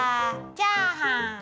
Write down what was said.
チャーハン。